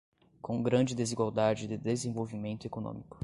com grande desigualdade de desenvolvimento econômico